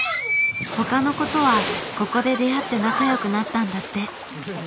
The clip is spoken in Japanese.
他の子とはここで出会って仲良くなったんだって。